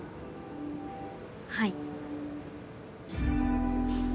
はい。